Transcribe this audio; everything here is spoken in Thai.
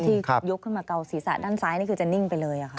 ที่ยกขึ้นมาเกาศีรษะด้านซ้ายนี่คือจะนิ่งไปเลยค่ะ